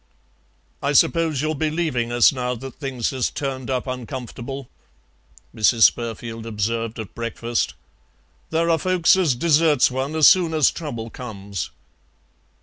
"I suppose you'll be leaving us, now that things has turned up uncomfortable," Mrs. Spurfield observed at breakfast; "there are folks as deserts one as soon as trouble comes."